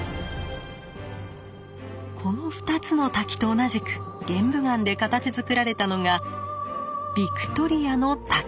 この２つの滝と同じく玄武岩で形づくられたのがビクトリアの滝。